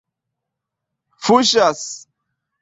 fuŝas